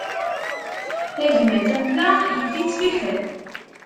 Tagmat am ta, yif-itt fiḥel.